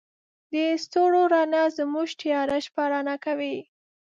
د ستورو رڼا زموږ تیاره شپه رڼا کوي.